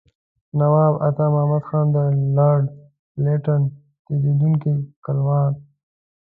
نواب عطامحمد خان د لارډ لیټن تهدیدوونکي کلمات.